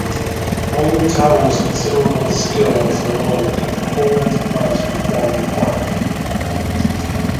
Only Tower's considerable skill as a lawyer kept the whole enterprise from falling apart.